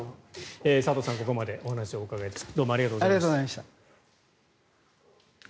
佐藤さん、ここまでお話をお伺いしました。